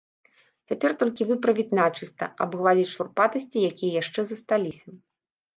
Цяпер толькі выправіць начыста, абгладзіць шурпатасці, якія яшчэ засталіся.